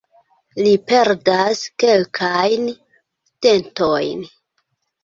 Li perdas kelkajn dentojn.